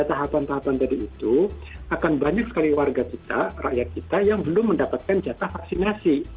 tahapan tahapan tadi itu akan banyak sekali warga kita rakyat kita yang belum mendapatkan jatah vaksinasi